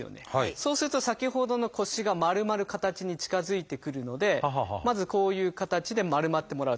そうすると先ほどの腰が丸まる形に近づいてくるのでまずこういう形で丸まってもらうと。